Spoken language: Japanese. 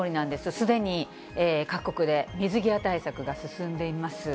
すでに各国で水際対策が進んでいます。